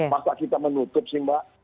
masa kita menutup sih mbak